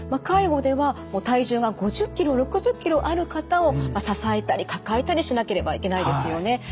介護では体重が５０ｋｇ６０ｋｇある方を支えたり抱えたりしなければいけないですよね。